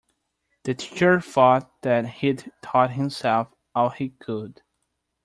The teacher thought that he'd taught himself all he could.